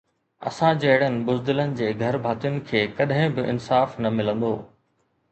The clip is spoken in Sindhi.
اسان جهڙن بزدلن جي گهر ڀاتين کي ڪڏهن به انصاف نه ملندو